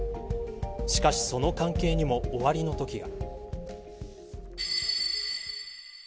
しかしその関係にも終わりのときが。